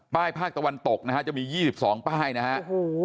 ป้ายภาคตะวันตกนะฮะจะมียี่สิบสองป้ายนะฮะโอ้โห